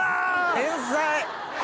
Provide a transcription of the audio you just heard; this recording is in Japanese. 天才。